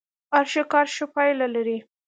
هر ښه کار ښه پايله لري.